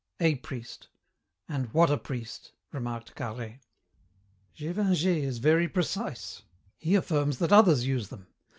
A priest. And what a priest!" remarked Carhaix. "Gévingey is very precise. He affirms that others use them.